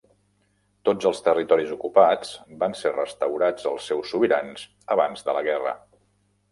Tots els territoris ocupats van ser restaurats als seus sobirans abans de la guerra.